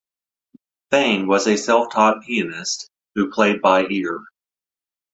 Fain was a self-taught pianist who played by ear.